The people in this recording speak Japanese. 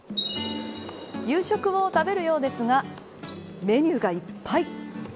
夕食を食べるようですがメニューがいっぱい。